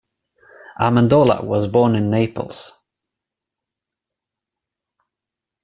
Amendola was born in Naples.